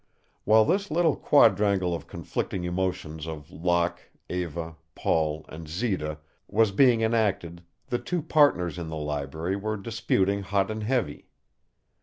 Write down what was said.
While this little quadrangle of conflicting emotions of Locke, Eva, Paul, and Zita was being enacted the two partners in the library were disputing hot and heavy.